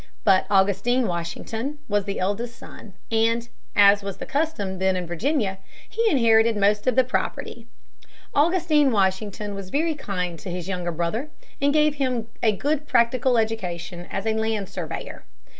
But Augustine Washington was the eldest son, and, as was the custom then in Virginia, he inherited most of the property. Augustine Washington was very kind to his younger brother, and gave him a good practical education as a land surveyor.